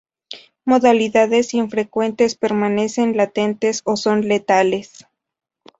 Modalidades infrecuentes permanecen latentes o son letales.